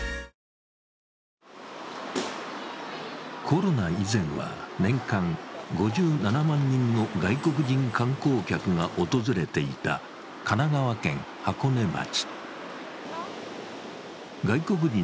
コロナ以前は年間５７万人の外国人観光客が訪れていた神奈川県箱根町。